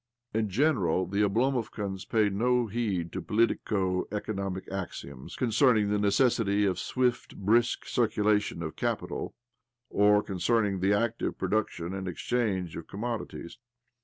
" In general, the Oblomovkans paid no heed to politico economic axioms con cerning the necessity of swift, brisk circula 134 OBLOMOV tion of capital, or concerning the active production and exchange of commodities.